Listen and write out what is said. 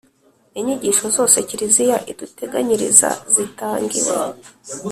inyigisho zose kiliziya iduteganyiriza zitangiwe